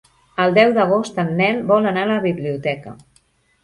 El deu d'agost en Nel vol anar a la biblioteca.